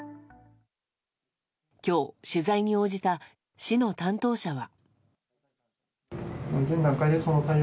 今日、取材に応じた市の担当者は。